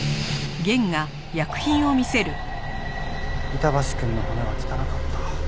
板橋くんの骨は汚かった。